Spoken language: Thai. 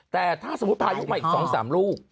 แต่ถ้าสมมุติพายุมาอีก๒๓ลูก